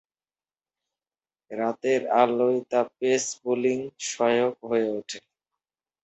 রাতের আলোয় তা পেস বোলিং সহায়ক হয়ে উঠে।